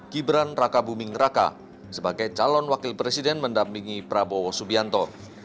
gibran raka buming raka sebagai calon wakil presiden mendampingi prabowo subianto